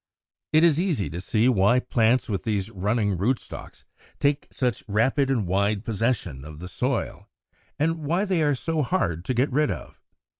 105. It is easy to see why plants with these running rootstocks take such rapid and wide possession of the soil, and why they are so hard to get rid of.